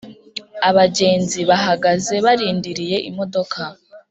abagenzi bahagaze barindiriye imodoka